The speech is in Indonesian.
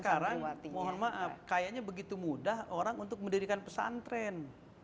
karena sekarang mohon maaf kayaknya begitu mudah orang untuk mendirikan pesantren